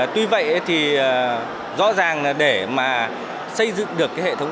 tuy vậy thì rõ ràng là để mà xây dựng được cái hệ thống